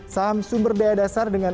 saham sumber daya dasar dengan